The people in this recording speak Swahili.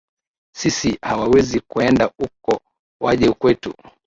Sisi hawawezi kuenda uko waje kwetu